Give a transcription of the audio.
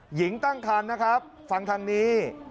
หญิงตั้งคันนะครับฟังทางนี้